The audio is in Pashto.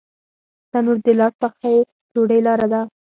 تنور د لاس پخې ډوډۍ لاره ده